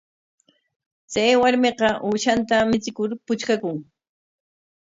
Chay warmiqa uushanta michikur puchkakun.